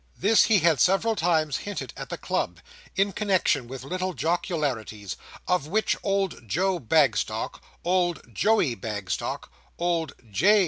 This he had several times hinted at the club: in connexion with little jocularities, of which old Joe Bagstock, old Joey Bagstock, old J.